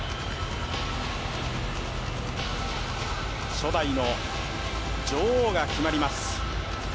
初代の女王が決まります。